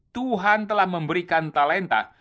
tuhan telah memberikan talenta